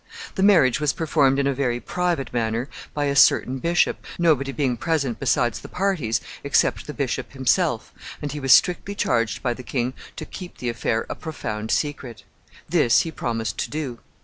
The marriage was performed in a very private manner by a certain bishop, nobody being present besides the parties except the bishop himself, and he was strictly charged by the king to keep the affair a profound secret. This he promised to do.